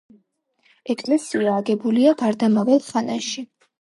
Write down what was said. ეკლესია აგებულია გარდამავალ ხანაში.